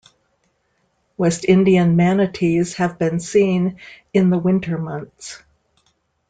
West Indian manatees have been seen in the winter months.